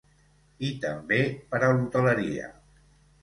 I també per a l’hoteleria.